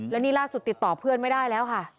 และนี่ล่าสุดติดต่อเพื่อนไม่ได้แล้วค่ะ